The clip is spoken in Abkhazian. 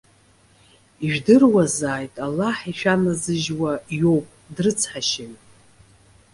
Ижәдыруазааит, Аллаҳ ишәаназыжьуа иоуп, дрыцҳашьаҩуп.